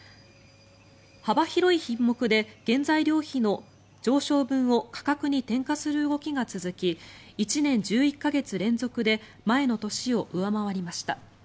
幅広い品目で原材料費の上昇分を価格に転嫁する動きが続き１年１１か月連続で前の年を上回りました。